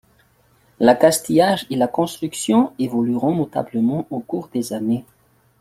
L'accastillage et la construction évolueront notablement au cours des années.